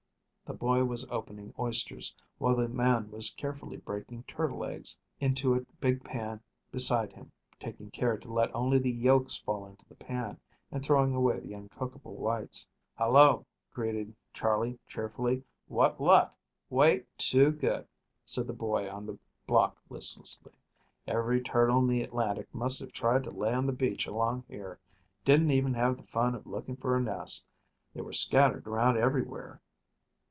The boy was opening oysters, while the man was carefully breaking turtle eggs into a big pan beside him, taking care to let only the yolks fall into the pan and throwing away the uncookable whites. "Hallo!" greeted Charley cheerfully. "What luck, Walt?" "Too good," said the boy on the block listlessly. "Every turtle in the Atlantic must have tried to lay on the beach along here. Didn't even have the fun of looking for a nest. They were scattered around everywhere."